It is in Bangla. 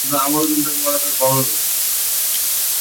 কর্ম মানে মানবজাতির সেবা বা ধর্মপ্রচারকার্য।